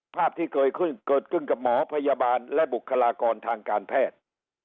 ภาพที่เกิดขึ้นเกิดขึ้นกับหมอพยาบาลและบุคลากรทางการแพทย์